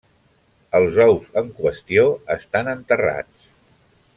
Els ous en qüestió estan enterrats.